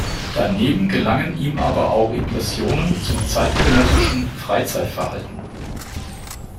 Daneben gelangen ihm aber auch Impressionen zum zeitgenössischen Freizeitverhalten.